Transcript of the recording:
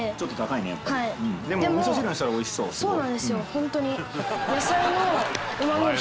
ホントに。